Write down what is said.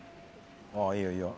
あっいいよいいよ。